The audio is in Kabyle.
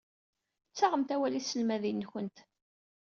Ttaɣemt awal i tselmadin-nwent.